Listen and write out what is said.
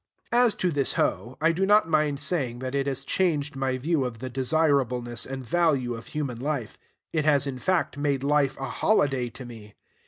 As to this hoe, I do not mind saying that it has changed my view of the desirableness and value of human life. It has, in fact, made life a holiday to me.